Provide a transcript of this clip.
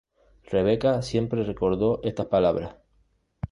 Rebeca siempre recordó estas palabras.